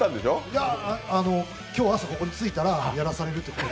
いやぁ、今日朝ここに着いたらやらされるって。